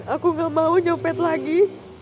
aku gak mau copet lagi